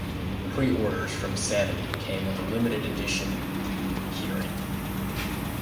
Pre-orders from Sanity came with a limited edition 'D' keyring.